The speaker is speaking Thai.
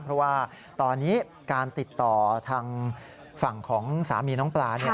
เพราะว่าตอนนี้การติดต่อทางฝั่งของสามีน้องปลา